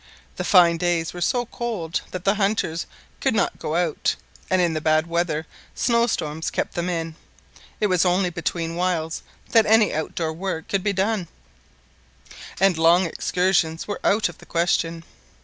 The fine days were so cold that the hunters could not go out; and in the bad weather snowstorms kept them in. It was only between whiles that any outdoor work could be done; and long excursions were out of the question.